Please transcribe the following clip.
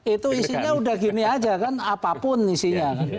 itu isinya udah gini aja kan apapun isinya